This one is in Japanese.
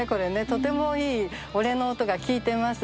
とてもいい「俺の音」が効いてます。